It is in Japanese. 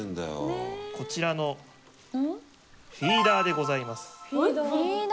こちらのフィーダーでございます。